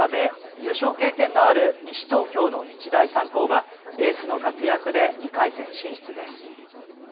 優勝経験のある西東京の日大三高はエースの活躍で２回戦進出です。